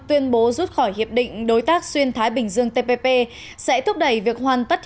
tuyên bố rút khỏi hiệp định đối tác xuyên thái bình dương sẽ thúc đẩy việc hoàn tất hiệp định đối tác xuyên thái bình dương